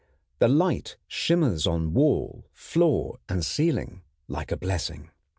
The light shimmers upon wall, floor, and ceiling like a blessing.